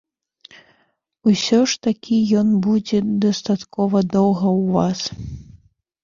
Усё ж такі ён будзе дастаткова доўга ў вас.